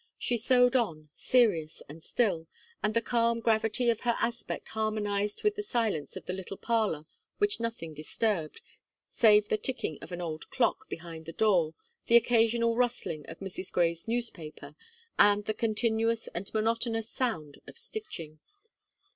She sewed on, serious and still, and the calm gravity of her aspect harmonized with the silence of the little parlour which nothing disturbed, save the ticking of an old clock behind the door, the occasional rustling of Mrs. Gray's newspaper, and the continuous and monotonous sound of stitching.